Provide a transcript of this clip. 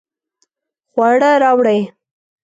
خواړه راوړئ